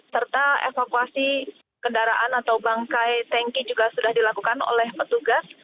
serta evakuasi kendaraan atau bangkai tanki juga sudah dilakukan oleh petugas